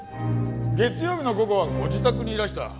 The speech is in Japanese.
月曜日の午後はご自宅にいらした。